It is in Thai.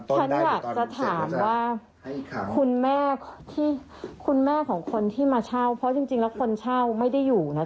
เพราะว่าเค้าจับคนเสพยาไปได้ด้วยเนี่ย